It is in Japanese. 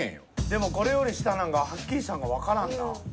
でもこれより下なんがはっきりしたんがわからんな。